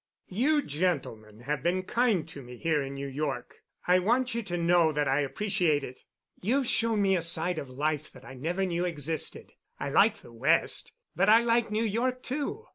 "You gentlemen have been kind to me here in New York. I want you to know that I appreciate it. You've shown me a side of life I never knew existed. I like the West, but I like New York, too.